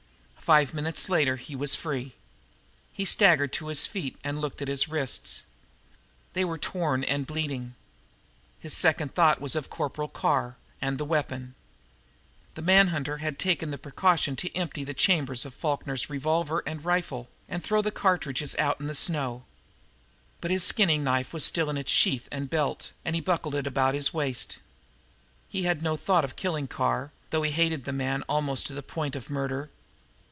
Five minutes later and he was free. He staggered to his feet, and looked at his wrists. They were torn and bleeding. His second thought was of Corporal Carr and a weapon. The man hunter had taken the precaution to empty the chambers of Falkner's revolver and rifle and throw his cartridges out in the snow. But his skinning knife was still in its sheath and belt, and he buckled it about his waist. He had no thought of killing Carr, though he hated the man almost to the point of murder.